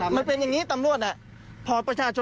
มันเป็นอย่างนี้ต่ำรวจ